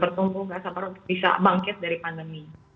kalau tumbuh nggak sabar untuk bisa bangkit dari pandemi